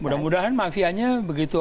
mudah mudahan mafianya begitu